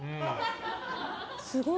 すごい。